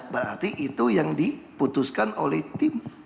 berarti itu yang diputuskan oleh tim